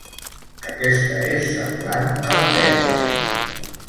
Aquesta és semblant a la teia.